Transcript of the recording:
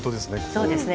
そうですね